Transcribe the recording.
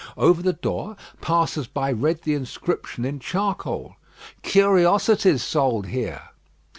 Over the door, passers by read the inscription in charcoal, "Curiosities sold here."